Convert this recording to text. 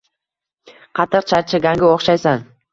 Qattiq charchaganga o`xshaysan